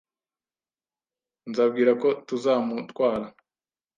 Nzabwira ko tuzamutwara.